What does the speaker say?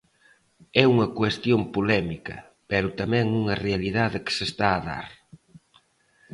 É unha cuestión polémica, pero tamén unha realidade que se está a dar.